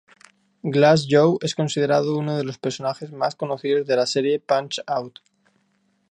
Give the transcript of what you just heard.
Glass Joe es considerado uno de los personajes más conocidos de la serie Punch-Out!